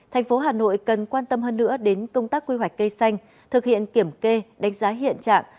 thành phố hà nội cần quan tâm hơn nữa đến công tác quy hoạch cây xanh thực hiện kiểm kê đánh giá hiện trạng